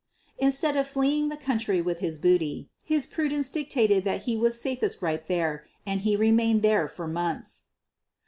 Instead of fleeing the country with his booty, his prudence dictated that he was safest right there, and he remained there for months.